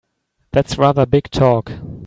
That's rather big talk!